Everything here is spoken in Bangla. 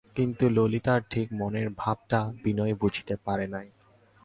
কিন্তু ললিতার ঠিক মনের ভাবটা বিনয় বুঝিতে পারে নাই।